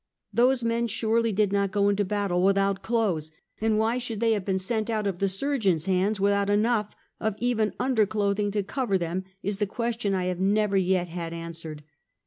Those men surely did not go into battle with out clothes; and why they should have been sent out of the surgeon's hands without enough of even under clothing to cover them, is the question I have never yet had answered.